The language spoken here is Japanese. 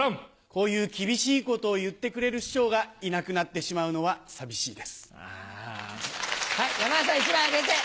こういう厳しいことを言ってくれる師匠がいなくなってしまうはい、山田さん、１枚あげて。